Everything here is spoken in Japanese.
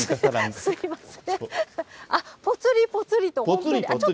すみません。